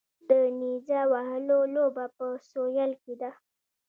د نیزه وهلو لوبه په سویل کې ده